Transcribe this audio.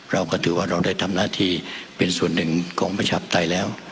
เราก็ถือว่าเราได้ทำหน้าที่เป็นส่วนหนึ่งของประชาปไตยแล้ว